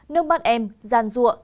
nước mắt em giàn ruộng